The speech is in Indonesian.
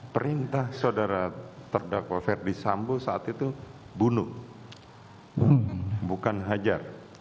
perintah saudara terdakwa ferdi sambo saat itu bunuh bukan hajar